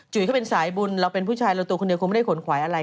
เขาเป็นสายบุญเราเป็นผู้ชายเราตัวคนเดียวคงไม่ได้ขนขวายอะไร